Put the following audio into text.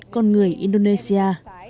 con người indonesia